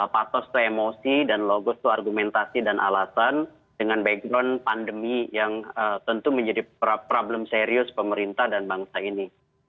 patos itu emosi dan logos itu argumentasi dan alasan dengan background pandemi yang tentu menjadi problem serius pemerintah dan bangsa ini